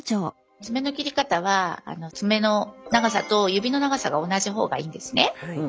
爪の切り方は爪の長さと指の長さが同じ方がいいんですね。